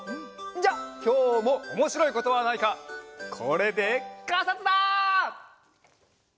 じゃあきょうもおもしろいことはないかこれでかんさつだ！